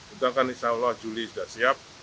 udah kan insya allah juli sudah siap